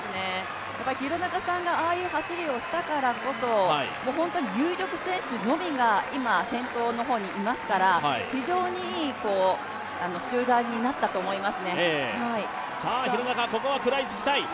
廣中さんがああいう走りをしたからこそ、有力選手のみが今、先頭の方にいますから非常にいい集団になったと思いますね。